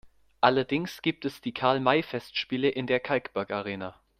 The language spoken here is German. Allerdings gibt es die Karl-May-Festspiele in der Kalkbergarena.